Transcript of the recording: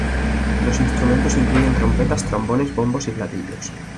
Los Instrumentos incluyen Trompetas, trombones, bombos, y platillos.